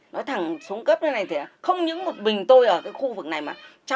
nói thẳng xuống cấp như thế này thì không những một mình tôi ở cái khu vực này mà